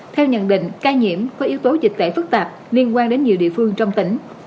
theo nhận định ca nhiễm có yếu tố dịch tễ phức tạp liên quan đến nhiều địa phương trong tỉnh